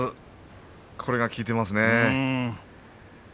これが効いていますね。